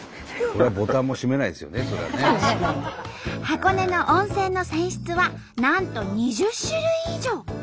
箱根の温泉の泉質はなんと２０種類以上。